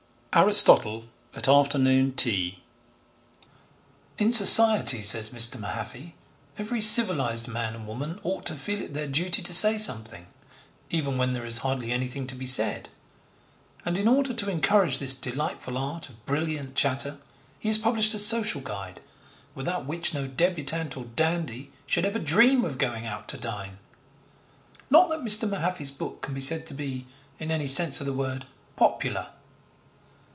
ARISTOTLE AT AFTERNOON TEA (Pall Mall Gazette, December 16, 1887.) In society, says Mr. Mahaffy, every civilised man and woman ought to feel it their duty to say something, even when there is hardly anything to be said, and, in order to encourage this delightful art of brilliant chatter, he has published a social guide without which no debutante or dandy should ever dream of going out to dine. Not that Mr. Mahaffy's book can be said to be, in any sense of the word, popular.